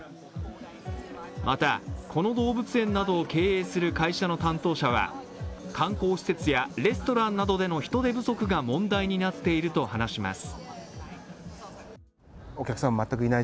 また、この動物園などを経営する会社の担当者は観光施設やレストランなどでの人手不足が問題になっていると話します。